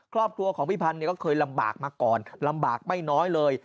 ครอบครัวของพี่พันธ์ก็เคยลำบากมาก่อนลำบากไม่น้อยเลย